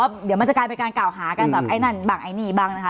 มันจะกลายเป็นการเก่าหากันเป็นแบบไอ้นั่นบั้งไอ้นี่บ้างนะคะ